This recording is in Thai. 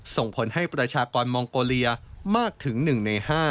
ส่งผลให้ประชากรมองโกเลียมากถึง๑ใน๕